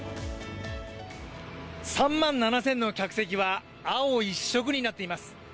３万７０００の客席は青一色になっています。